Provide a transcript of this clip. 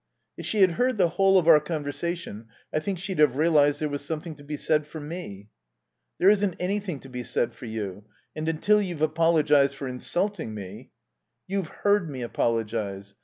"If she had heard the whole of our conversation I think she'd have realized there was something to be said for me." "There isn't anything to be said for you. And until you've apologized for insulting me " "You've heard me apologize.